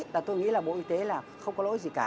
và tôi nghĩ là bộ y tế là không có lỗi gì cả